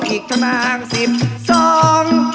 อีกทะมางสิบสอง